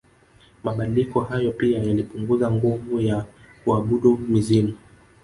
Mabadiliko hayo pia yalipunguza nguvu ya kuabudu mizimu